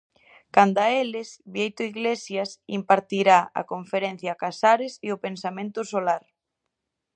Canda a eles, Bieito Iglesias impartirá a conferencia Casares e o pensamento solar.